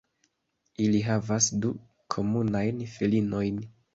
Ili havas du komunajn filinojn.